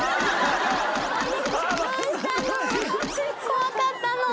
怖かったの？